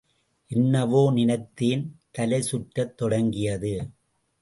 என்னவோ நினைத்தேன் தலை சுற்றத் தொடங்கியது.